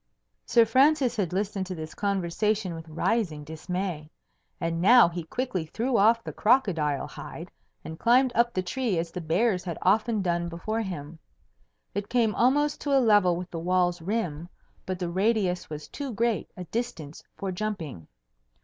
Sir Francis had listened to this conversation with rising dismay. And now he quickly threw off the crocodile hide and climbed up the tree as the bears had often done before him. It came almost to a level with the wall's rim, but the radius was too great a distance for jumping.